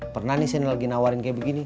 pernah nih saya lagi nawarin kayak begini